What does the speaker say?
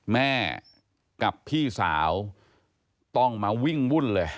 แม่กับพี่สาวต้องมาวิ่งวุ่นเลย